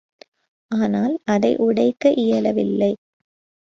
ஆனால், அதை உடைக்க இயலவில்லை.